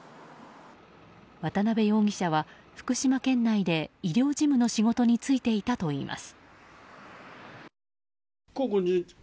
渡邉容疑者は福島県内で医療事務の仕事に就いていたといいます。